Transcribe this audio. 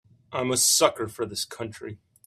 I'm a sucker for this country.